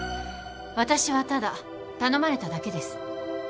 私はただ頼まれただけです